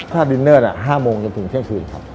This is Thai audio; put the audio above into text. ถ้าดินเนอร์๕โมงจนถึงเที่ยงคืนครับ